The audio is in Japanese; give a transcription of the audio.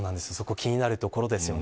気になるところですね。